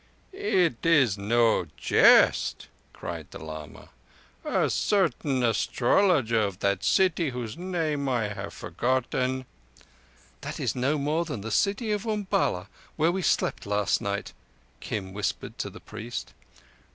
"It is no jest," cried the lama. "A certain astrologer of that city whose name I have forgotten—" "That is no more than the city of Umballa where we slept last night," Kim whispered to the priest.